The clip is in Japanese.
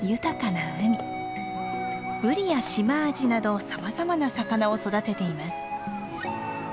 ブリやシマアジなどさまざまな魚を育てています。